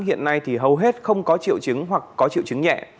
hiện nay thì hầu hết không có triệu chứng hoặc có triệu chứng nhẹ